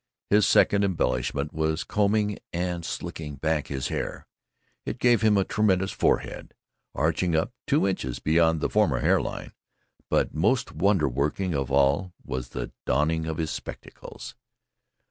His second embellishment was combing and slicking back his hair. It gave him a tremendous forehead, arching up two inches beyond the former hair line. But most wonder working of all was the donning of his spectacles.